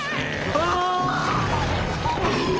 ああ！